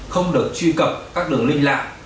không được truy cập các đường linh lạc